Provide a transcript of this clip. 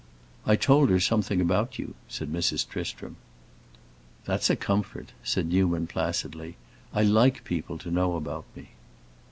"I told her something about you," said Mrs. Tristram. "That's a comfort," said Newman, placidly. "I like people to know about me."